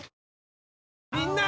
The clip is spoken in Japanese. ⁉みんな！